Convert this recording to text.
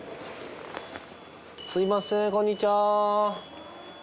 すみませんこんにちは。